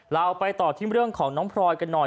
เราไปต่อที่เรื่องของน้องพลอยกันหน่อย